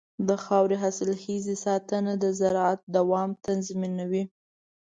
د خاورې حاصلخېزۍ ساتنه د زراعت دوام تضمینوي.